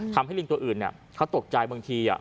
ทำให้ลิงตัวอื่นค่ะเขาตกใจบางทีอ่ะ